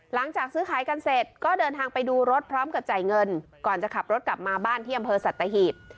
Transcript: หลังจากซื้อขายกันเสร็จก็เดินทางไปดูรถพร้อมกับจ่ายเงินก่อนจะขับรถกลับมาบ้านที่อำเภอสัตหีบ